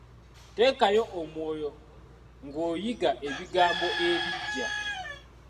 Teekayo omwoyo ng’oyiga ebigambo ebiggya.